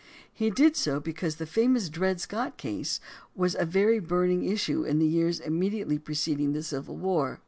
He did so because the famous Dred Scott case was a very burning issue in the years immediately preceding the Civil War.